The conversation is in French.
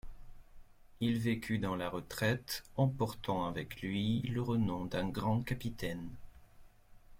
Il vécut dans la retraite, emportant avec lui le renom d'un grand capitaine.